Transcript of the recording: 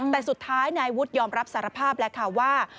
แต่สุดท้ายนายวุฒิยอมรับสารภาพแล้วค่ะว่า